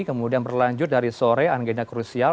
kemudian berlanjut dari sore anggenya krusial